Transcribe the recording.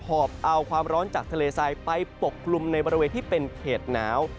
อบเอาความร้อนจากทะเลทรายไปปกกลุ่มในบริเวณที่เป็นเขตหนาว